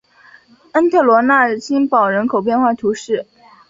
恩特罗讷新堡人口变化图示